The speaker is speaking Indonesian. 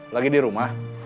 lagi di rumah